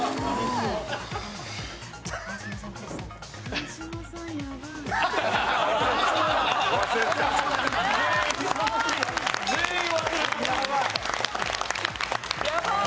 川島さん、やばい。